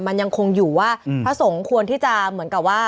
มันยังคงอยู่ว่าพระสงฆ์ควรที่จะเหมือนกับว่า